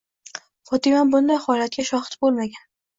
Fotima bunday holatga shohid bo'lmagan.